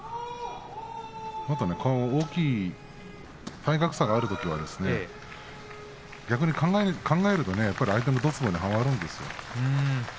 大きい体格差があるときには逆に考えると相手のどつぼにはまるんですよ。